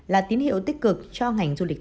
là tín hiệu tích cực cho ngành du lịch